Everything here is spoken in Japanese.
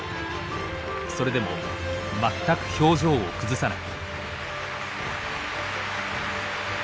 それでも全く表情を崩さない。